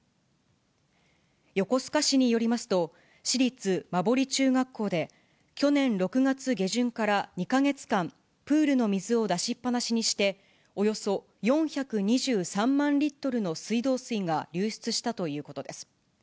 横須賀市によりますと、市立馬堀中学校で、去年６月下旬から２か月間、プールの水を出しっ放しにして、およそ４２３万リットルの水道水が流出したということです。